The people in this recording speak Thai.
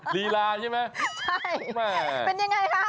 รีล้าใช่ไหมโอ้แม่เป็นอย่างไรค่ะ